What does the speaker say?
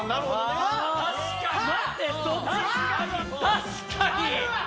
確かに！